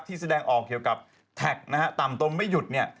แสดงออกเกี่ยวกับแท็กนะฮะต่ำตรงไม่หยุดเนี่ย